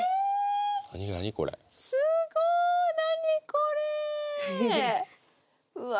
すごい何これ⁉うわ